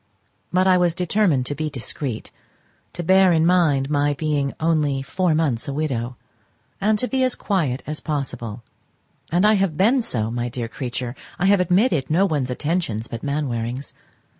But I was determined to be discreet, to bear in mind my being only four months a widow, and to be as quiet as possible: and I have been so, my dear creature; I have admitted no one's attentions but Mainwaring's.